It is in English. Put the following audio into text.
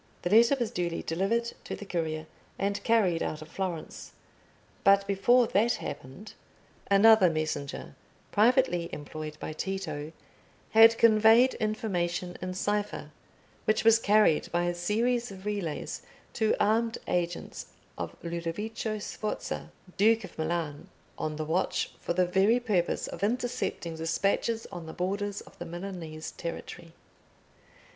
The letter was duly delivered to the courier and carried out of Florence. But before that happened another messenger, privately employed by Tito, had conveyed information in cipher, which was carried by a series of relays to armed agents of Ludovico Sforza, Duke of Milan, on the watch for the very purpose of intercepting despatches on the borders of the Milanese territory.